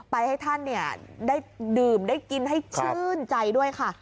ให้ท่านได้ดื่มได้กินให้ชื่นใจด้วยค่ะ